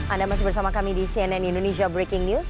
anda masih bersama kami di cnn indonesia breaking news